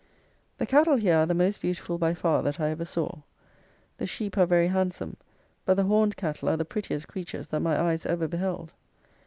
The cattle here are the most beautiful by far that I ever saw. The sheep are very handsome; but the horned cattle are the prettiest creatures that my eyes ever beheld.